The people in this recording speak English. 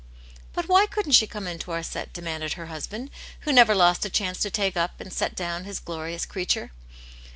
" But why couldn't she come into our set ?" de manded her husband, who never lost a chance to take up, and set down, his glorious creature.